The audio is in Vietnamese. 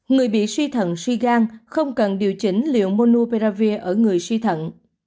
người bị suy thận suy gan không cần điều chỉnh liệu monuperavir ở người suy thận